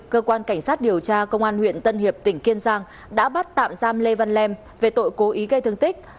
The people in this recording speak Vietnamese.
cơ quan cảnh sát điều tra công an huyện tân hiệp tỉnh kiên giang đã bắt tạm giam lê văn lèm về tội cố ý gây thương tích